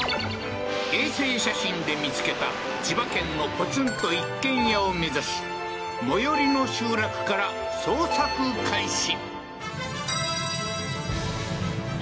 衛星写真で見つけた千葉県のポツンと一軒家を目指し最寄りの集落から捜索開始